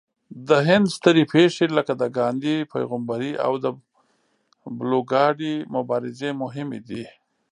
د هند سترې پېښې لکه د ګاندهي پیغمبرۍ او د بلوکادي مبارزې مهمې دي.